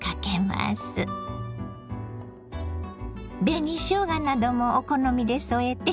紅しょうがなどもお好みで添えて。